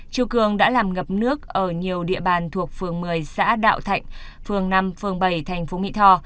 chiều cường đã làm ngập nước ở nhiều địa bàn thuộc phường một mươi xã đạo thạnh phường năm phường bảy thành phố mỹ tho